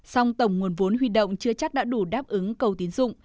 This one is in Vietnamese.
song tổng nguồn vốn huy động chưa chắc đã đủ đáp ứng cầu tiến dụng